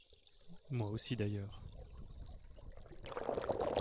Moi aussi, d’ailleurs.